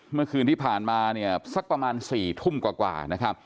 เมื่อคืนที่ผ่านมาเนี่ยสักประมาณ๔ทุ่มกว่านะครับ